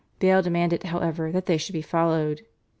Bale demanded, however, that they should be followed.